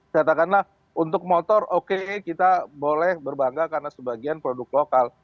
katakanlah untuk motor oke kita boleh berbangga karena sebagian produk lokal